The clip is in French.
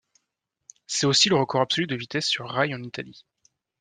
C'est aussi le record absolu de vitesse sur rail en Italie.